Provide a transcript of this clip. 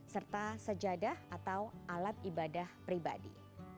serta sejadah atau alat ibadah pribadi